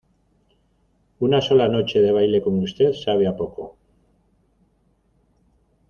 una sola noche de baile con usted sabe a poco.